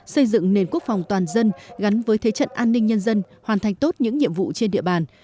xây dựng nền quốc phòng toàn dân gắn với thế trận an ninh nhân dân hoàn thành tốt những nhiệm vụ trên địa bàn